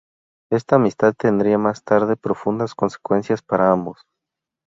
Esta amistad tendría más tarde profundas consecuencias para ambos.